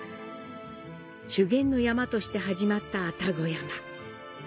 修験の山として始まった愛宕山。